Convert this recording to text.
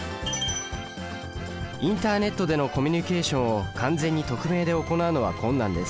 インターネットでのコミュニケーションを完全に匿名で行うのは困難です。